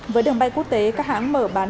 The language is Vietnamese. với đường bay quốc tế các hãng mở bán